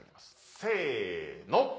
せの。